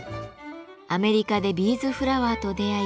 アメリカでビーズフラワーと出会い